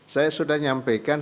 saya sudah nyampaikan